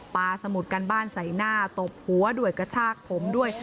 สมุดกันบ้านใส่หน้าตบหัวด้วยกระชากผมด้วย